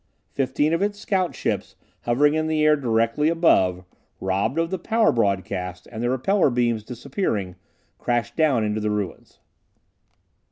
Fifteen of its scout ships hovering in the air directly above, robbed of the power broadcast and their repeller beams disappearing, crashed down into the ruins.